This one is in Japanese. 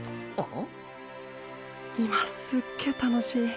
今すっげ楽しい。